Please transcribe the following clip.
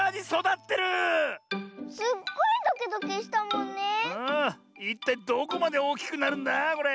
いったいどこまでおおきくなるんだあこれ？